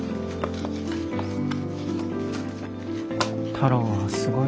太郎はすごいな。